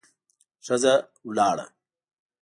ښځه ولاړه.